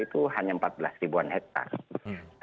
itu hanya empat belas ribuan hektare